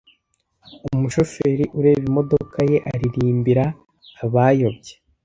Umushoferi ureba imodoka ye aririmbira abayobye,